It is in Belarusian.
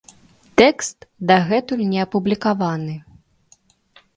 Тэкст дагэтуль не апублікаваны.